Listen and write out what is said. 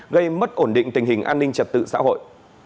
gây mất ổn định tình hình an ninh trật tự xã hội